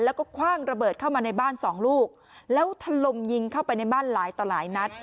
แล้วก็คว่างระเบิดเข้ามาในบ้านสองลูกแล้วทะลมยิงเข้าไปในบ้านหลายต่อหลายนัด